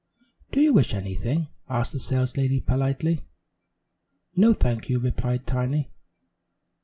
"Do you wish anything?" asked the saleslady politely. "No, thank you," replied Tiny.